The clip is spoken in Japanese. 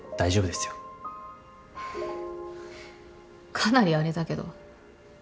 かなりあれだけど。